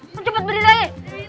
lo cepet berdiri aja